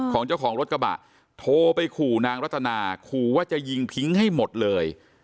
ของเจ้าของรถกระบะโทรไปขู่นางรัตนาขู่ว่าจะยิงทิ้งให้หมดเลย